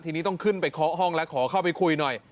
ทีนี้ต้องขึ้นไปเคาะห้องแล้วขอเข้าไปคุยหน่อย